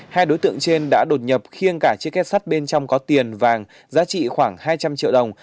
hai đối tượng trên đã đột nhập khiêng cả chiếc kết sắt bên trong có tiền vàng giá trị khoảng hai trăm linh triệu đồng